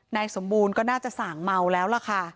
นายสมบูรณ์ก็น่าจะสั่งเมาแล้วล่ะค่ะ